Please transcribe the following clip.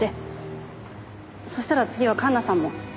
そしたら次は環那さんも。